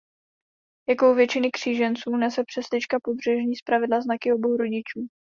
Jako u většiny kříženců nese přeslička pobřežní zpravidla znaky obou rodičů.